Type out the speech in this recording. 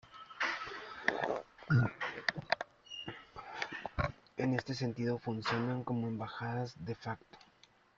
En este sentido, funcionan como embajadas de facto.